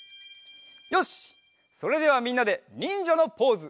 よしそれではみんなでにんじゃのポーズ。